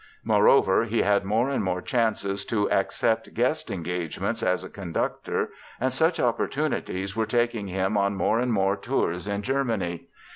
Moreover, he had more and more chances to accept guest engagements as a conductor and such opportunities were taking him on more and more tours in Germany.